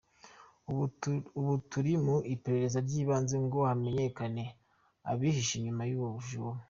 Ubu turi mu iperereza ry’ibanze ngo hamenyekane abihishe inyuma y’ubu bujura.